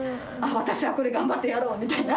私はこれ頑張ってやろう！みたいな。